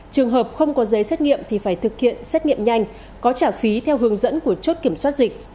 trường hợp không có giấy xét nghiệm thì phải thực hiện xét nghiệm nhanh có trả phí theo hướng dẫn của chốt kiểm soát dịch